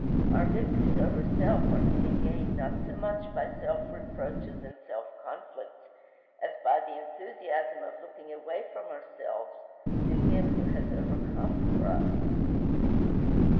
Our victories over self are to be gained not so much by self reproaches and self conflicts as by the enthusiasm of looking away from ourselves to Him who has overcome for us.